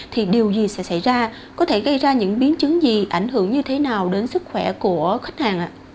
thì điều gì sẽ xảy ra có thể gây ra những biến chứng gì ảnh hưởng như thế nào đến sức khỏe của khách hàng ạ